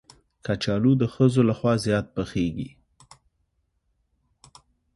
کچالو د ښځو لخوا زیات پخېږي